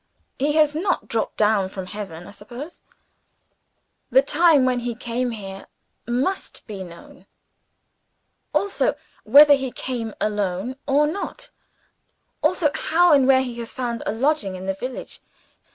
_ He has not dropped down from Heaven, I suppose? The time when he came here, must be known. Also, whether he came alone, or not. Also, how and where he has found a lodging in the village.